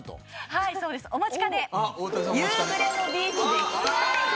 はいそうですお待ちかね夕暮れのビーチで聴きたい。